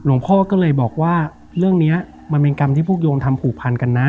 พ่อก็เลยบอกว่าเรื่องนี้มันเป็นกรรมที่พวกโยมทำผูกพันกันนะ